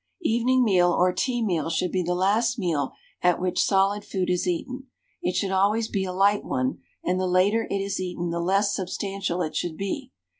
Evening meal or tea meal should be the last meal at which solid food is eaten. It should always be a light one, and the later it is eaten the less substantial it should be.